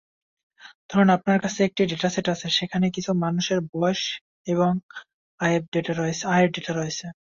ধরুন আপনার কাছে একটি ডেটাসেট আছে সেখানে কিছু মানুষের বয়স এবং আয়ের ডেটা রয়েছে।